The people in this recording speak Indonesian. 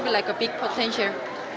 itu akan menjadi potensi besar